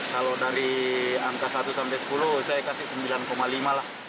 kalau dari angka satu sampai sepuluh saya kasih sembilan lima lah